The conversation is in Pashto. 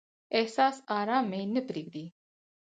احساس ارام مې نه پریږدي.